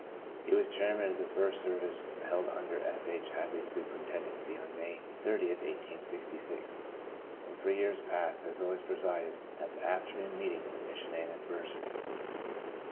He was chairman of the first serv ice held under S. H. Hadley's superintend ency on May 30, 1886, and for years past has always presided at the afternoon meeting of the Mission anniversary.